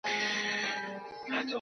نور د دې کتابونو لوستل بیخي پرېږده.